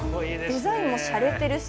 デザインもしゃれてるし。